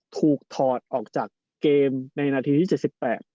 ถูกถอดออกจากเกมในนาทีที่๗๘